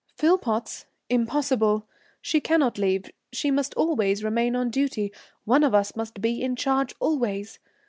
"Philpotts? Impossible! She cannot leave she must remain on duty; one of us must be in charge always.